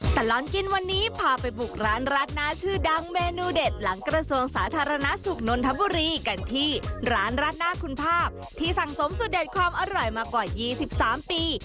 ตลอดกินวันนี้พาไปบุกร้านราดหน้าชื่อดังเมนูเด็ดหลังกระทรวงสาธารณสุขนนทบุรีกันที่ร้านราดหน้าคุณภาพที่สั่งสมสุดเด็ดความอร่อยมากว่า๒๓ปี